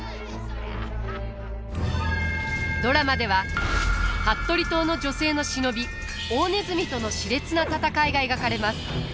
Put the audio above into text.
ドラマでは服部党の女性の忍び大鼠とのしれつな戦いが描かれます。